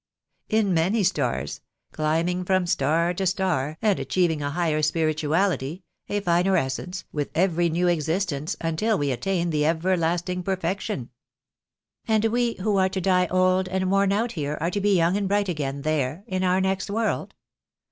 "In many stars — climbing from star to star, and achieving a higher spirituality, a finer essence, with every new existence, until we attain the everlasting perfection/' "And we who are to die old and worn out here are to be young and bright again there — in our next world?"